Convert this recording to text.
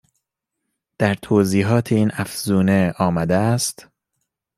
در توضیحات این افزونه آمده است